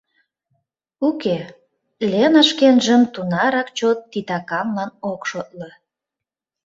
Уке, Лена шкенжым тунарак чот титаканлан ок шотло.